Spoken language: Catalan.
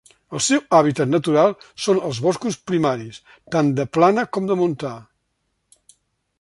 El seu hàbitat natural són els boscos primaris, tant de plana com de montà.